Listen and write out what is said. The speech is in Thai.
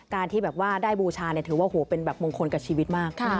ที่แบบว่าได้บูชาถือว่าเป็นแบบมงคลกับชีวิตมาก